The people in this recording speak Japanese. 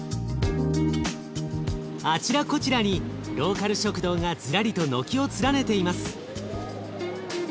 あちらこちらにローカル食堂がずらりと軒を連ねています。